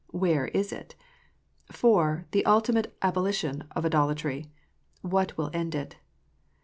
WHERE is IT? IV. The ultimate abolition of idolatry. WHAT WILL END IT